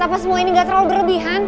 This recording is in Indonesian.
apa semua ini gak terlalu berlebihan